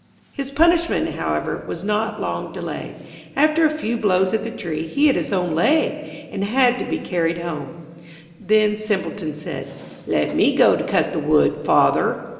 His punishment, however, was not long delayed. After a few blows at the tree, he hit his own leg, and had to be carried home. Then Simpleton said, 'Let me go to cut the wood, father.'